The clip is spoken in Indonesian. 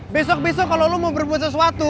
besok besok kalo lu mau berbuat sesuatu